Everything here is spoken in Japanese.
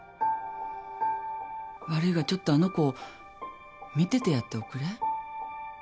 悪いがちょっとあの子を見ててやっておくれ。